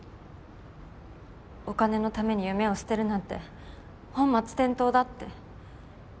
お金のために夢を捨てるなんて本末転倒だって。